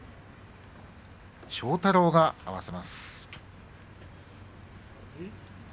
庄太郎が合わせます。